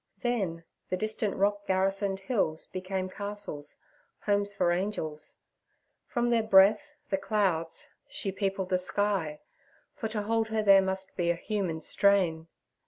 Then the distant rock garrisoned hills became castles—homes for angels. From their breath, the clouds, she peopled the sky—for to hold her there must be a human strain.